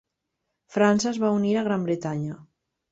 França es va unir a Gran Bretanya.